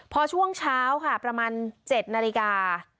พอช่วงเช้าค่ะประมาณ๗นาฬิกา